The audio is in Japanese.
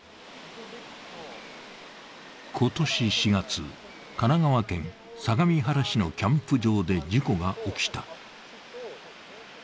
今年４月、神奈川県相模原市のキャンプ場で事故が起きた。